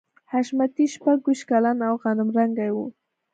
حشمتي شپږویشت کلن او غنم رنګی و